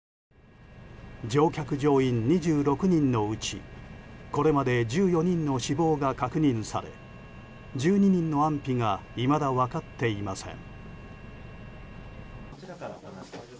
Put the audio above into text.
乗客・乗員２６人のうちこれまで１４人の死亡が確認され１２人の安否がいまだ分かっていません。